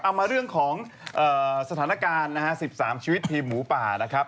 มาเรื่องของสถานการณ์นะฮะ๑๓ชีวิตทีมหมูป่านะครับ